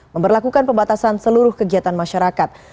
memperlakukan pembatasan seluruh kegiatan masyarakat